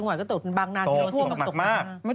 น้ำขังรอการระบาย